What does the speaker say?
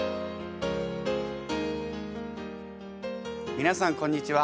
皆さんこんにちは。